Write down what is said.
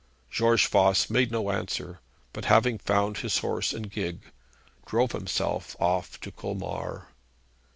George Voss made no answer, but having found his horse and his gig, drove himself off to Colmar.